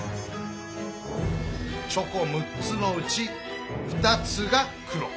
チョコ６つのうち２つが黒。